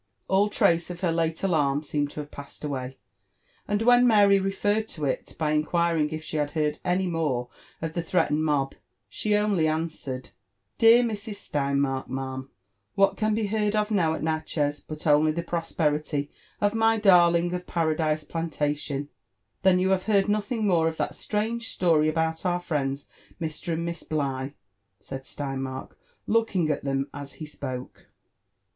All trace of her late alarm seemed to have passed away; and when Mary referred to it by inquiring if she had heard any more of the threatened mob, she only answered, " Dear Mississ Steinmark, ma'am, what can be heard of now at Natchez but only the prosperity of my darling of Paradise Plan tation r "Then you have heard nothing nioreof that strange story about our friends Mr. and Miss Blight" said Steinmark, looking at them as be spoke.